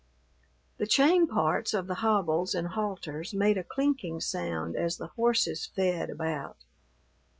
The chain parts of the hobbles and halters made a clinking sound as the horses fed about.